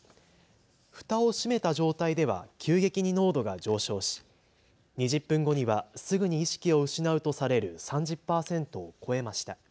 ふたを閉めた状態では急激に濃度が上昇し２０分後にはすぐに意識を失うとされる３０％を超えました。